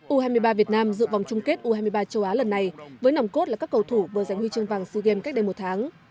u hai mươi ba việt nam dự vòng chung kết u hai mươi ba châu á lần này với nòng cốt là các cầu thủ vừa giành huy chương vàng sea games cách đây một tháng